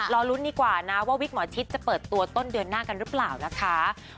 รอลุ้นดีกว่านะว่าวิกหมอชิดจะเปิดตัวต้นเดือนหน้ากันหรือเปล่านะคะ